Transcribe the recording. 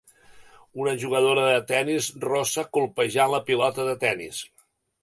Una jugadora de tenis rossa colpejant la pilota de tenis.